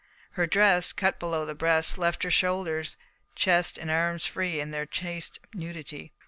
Her dress, cut below the breast, left her shoulders, chest, and arms free in their chaste nudity.